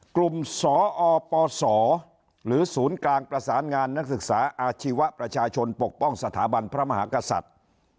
สอปศหรือศูนย์กลางประสานงานนักศึกษาอาชีวะประชาชนปกป้องสถาบันพระมหากษัตริย์